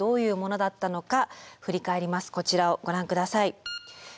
こちらをご覧ください。